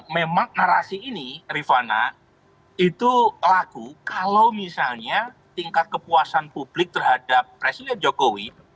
memang narasi ini rifana itu laku kalau misalnya tingkat kepuasan publik terhadap presiden jokowi